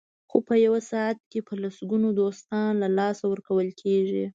خو په یو ساعت کې په لسګونو دوستان له لاسه ورکول کېږي.